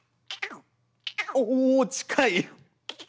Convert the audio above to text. おお近い！